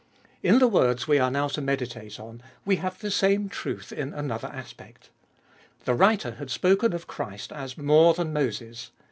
In the words we are now to meditate on we have the same truth in another aspect. The writer had spoken of Christ as more than Moses.